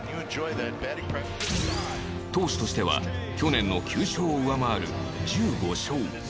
投手としては去年の９勝を上回る１５勝。